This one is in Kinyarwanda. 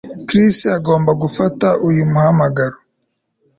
Chris agomba gufata uyu muhamagaro